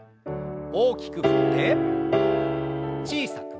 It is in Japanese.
大きく振って小さく。